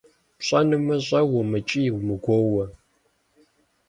ПщӀэнумэ, щӀэ, умыкӀий-умыгуоуэ!